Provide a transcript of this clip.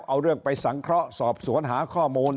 เอาเรื่องไปสังเคราะห์สอบสวนหาข้อมูล